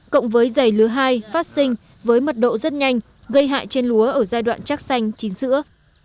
cộng với dày lứa hai phát sinh với mật độ rất nhanh gây hại trên lúa ở giai đoạn chắc xanh chín sữa